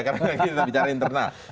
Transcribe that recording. karena kita bicara internal